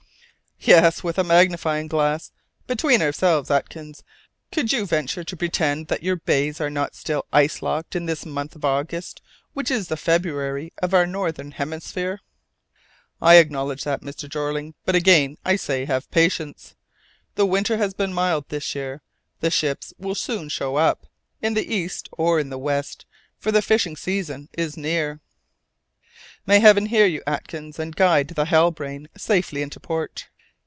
"Yes, with a magnifying glass! Between ourselves, Atkins, could you venture to pretend that your bays are not still ice locked in this month of August, which is the February of our northern hemisphere?" "I acknowledge that, Mr. Jeorling. But again I say have patience! The winter has been mild this year. The ships will soon show up, in the east or in the west, for the fishing season is near." "May Heaven hear you, Atkins, and guide the Halbrane safely into port."